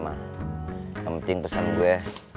yang penting pesen gue